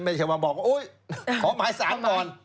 ไม่ใช่ว่าบอกขอหมายสารก่อน